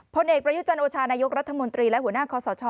ผลเอกประยุจันโอชานายกรัฐมนตรีและหัวหน้าคอสช